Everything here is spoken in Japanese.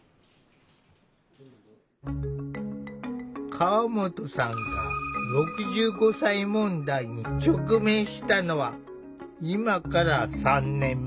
河本さんが「６５歳問題」に直面したのは今から３年前。